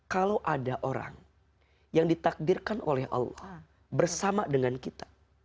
kalau ada orang yang ditakdirkan oleh allah bersama dengan kita